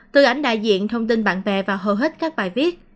từ ảnh đại diện thông tin bạn bè và hầu hết các bài viết